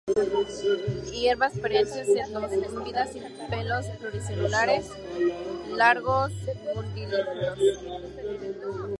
Hierbas perennes, setoso-híspidas, sin pelos pluricelulares largos glandulíferos.